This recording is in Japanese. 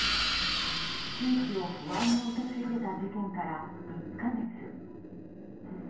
地域を不安に陥れた事件から１か月。